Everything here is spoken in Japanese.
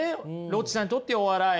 ロッチさんにとってお笑い。